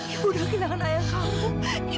ibu dah kehilangan ayah kamu